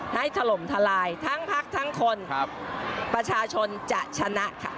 ถล่มทลายทั้งพักทั้งคนประชาชนจะชนะค่ะ